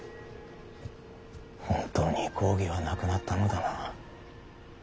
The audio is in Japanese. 本当に公儀はなくなったのだな。